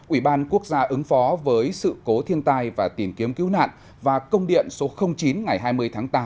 ủy ban quốc gia ứng phó với sự cố thiên tai và tìm kiếm cứu nạn và công điện số chín ngày hai mươi tháng tám